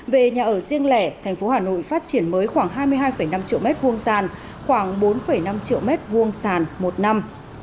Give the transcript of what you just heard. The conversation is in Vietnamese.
về nhà ở riêng lẻ thành phố hà nội phát triển mới khoảng hai mươi hai năm triệu m hai sàn khoảng bốn năm triệu m hai sàn một năm